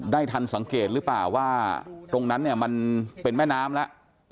ทันสังเกตหรือเปล่าว่าตรงนั้นเนี่ยมันเป็นแม่น้ำแล้ว